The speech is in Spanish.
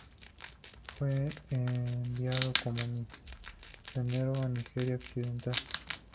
Fue enviado como misionero a Nigeria Occidental.